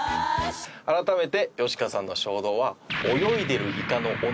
改めてよしかさんの衝動は。